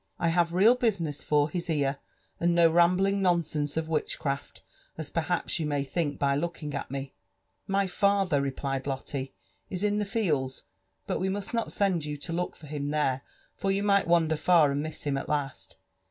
I have real business for his ear, and no rambling nonsense of witchcraft, as perhaps you may think by looking at me.'' •*My father/' .replied Lotte, *'isin the fields; but we must not send you to look for him there, for you might wander far and miss him at last.